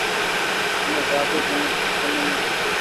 আমরা রাজ- এর জন্যে কিছু খেলনা নিয়ে এসেছি।